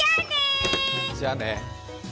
じゃあね！